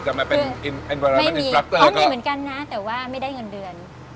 จะมาเป็นเขาก็มีเหมือนกันนะแต่ว่าไม่ได้เงินเดือน